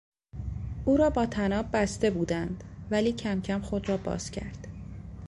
او را با طناب بسته بودند ولی کمکم خود را باز کرد.